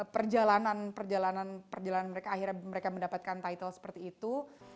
perjalanan perjalanan mereka akhirnya mereka mendapatkan title seperti itu